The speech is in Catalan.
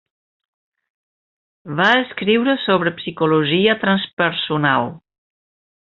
Va escriure sobre Psicologia transpersonal.